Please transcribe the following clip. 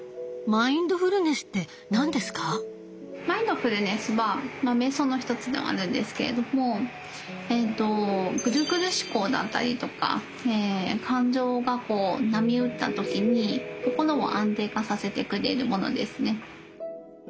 マインドフルネスは瞑想の一つでもあるんですけれどもぐるぐる思考だったりとか感情がこう波打った時に心を安定化させてくれるものですね。